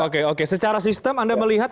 oke oke secara sistem anda melihat